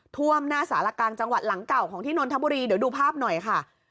ท่วมหน้าสารกลางจังหวัดหลังเก่าของที่นนทบุรีเดี๋ยวดูภาพหน่อยค่ะ